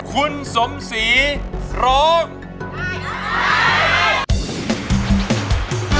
คุณสมศรีร้อง